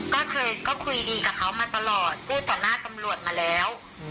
ก็เคยก็คุยดีกับเขามาตลอดกู้ต่อหน้าตำรวจมาแล้ว